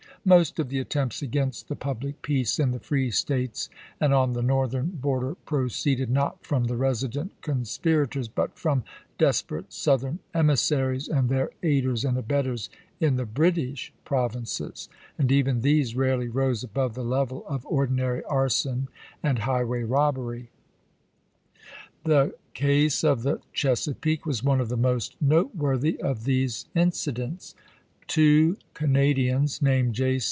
Most of the attempts against the public peace in the free States and on the Northern border proceeded not from the resident conspira tors, but from desperate Southern emissaries and their aiders and abettors in the British provinces ; and even these rarely rose above the level of ordi nary arson and highway robbery. The case of the CJiesapeake was one of the most noteworthy of these incidents. Two Canadians named J.